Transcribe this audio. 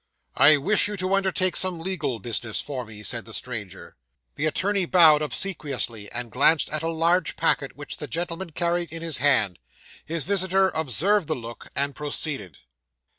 '"I wish you to undertake some legal business for me," said the stranger. 'The attorney bowed obsequiously, and glanced at a large packet which the gentleman carried in his hand. His visitor observed the look, and proceeded.